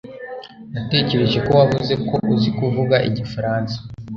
natekereje ko wavuze ko uzi kuvuga igifaransa